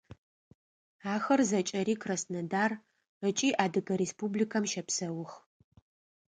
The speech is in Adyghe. Ахэр зэкӏэри Краснодар ыкӏи Адыгэ Республикэм щэпсэух.